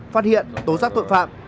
phát hiện tố giác tội phạm